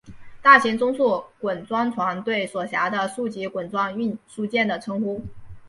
大型中速滚装船对所辖的数级滚装运输舰的称呼。